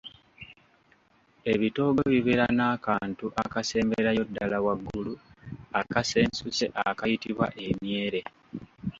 Ebitoogo bibeera n'akantu akasemberayo ddala waggulu akasensuse akayitibwa emyere.